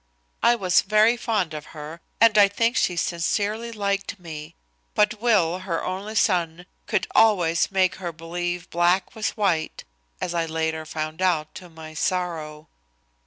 I was very fond of her and I think she sincerely liked me. But Will, her only son, could always make her believe black was white, as I later found out to my sorrow.